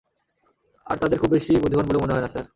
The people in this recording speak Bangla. আর তাদের খুব বেশি বুদ্ধিমান বলে মনে হয় না, স্যার।